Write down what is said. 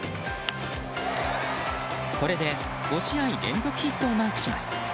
これで５試合連続ヒットをマークします。